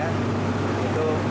itu mesti disuruhkan